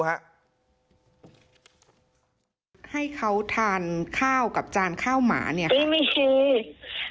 ให้เขาทานข้าวกับจานข้าวหมาเนี่ย